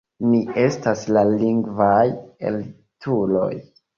Ni estas la lingvaj elituloj!